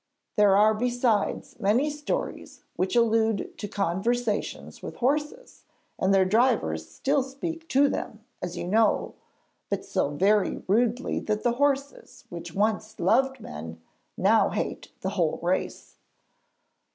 'There are besides many stories which allude to conversations with horses, and their drivers still speak to them, as you know, but so very rudely that the horses which once loved men, now hate the whole race.'